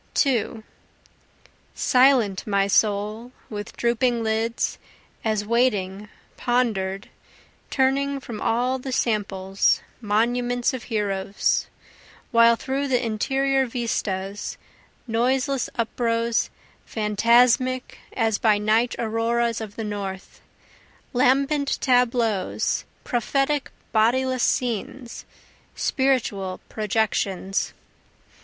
2 Silent, my soul, With drooping lids, as waiting, ponder'd, Turning from all the samples, monuments of heroes. While through the interior vistas, Noiseless uprose, phantasmic, (as by night Auroras of the north,) Lambent tableaus, prophetic, bodiless scenes, Spiritual projections.